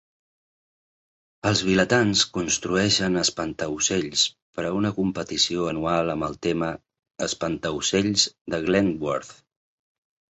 Els vilatans construeixen espantaocells per a una competició anual amb el tema "Espantaocells de Glentworth".